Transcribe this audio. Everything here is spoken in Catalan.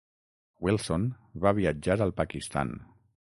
Wilson va viatjar al Pakistan.